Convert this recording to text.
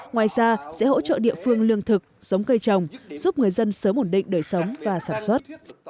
ngoài ra sẽ hỗ trợ địa phương lương thực giống cây trồng giúp người dân sớm ổn định đời sống và sản xuất